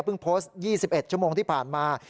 โพสต์๒๑ชั่วโมงที่ผ่านมา